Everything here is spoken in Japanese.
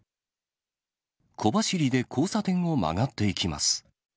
小走りで交差点を曲がっていきます。